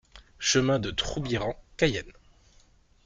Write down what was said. Chemin de Troubiran, Cayenne